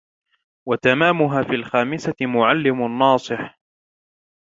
وَتَمَامُهَا فِي الْخَامِسَةِ مُعَلِّمٌ نَاصِحٌ